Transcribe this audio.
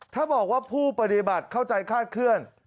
ถ้าบอกว่าผู้ปฏิบัติเข้าใจคาดเคลื่อน